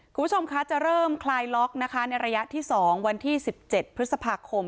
คุณผู้ชมคะจะเริ่มคลายล็อกนะคะในระยะที่๒วันที่๑๗พฤษภาคม